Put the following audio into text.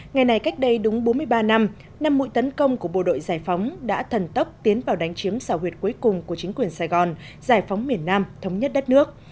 ngày này cách đây đúng bốn mươi ba năm năm mũi tấn công của bộ đội giải phóng đã thần tốc tiến vào đánh chiếm xảo huyệt cuối cùng của chính quyền sài gòn giải phóng miền nam thống nhất đất nước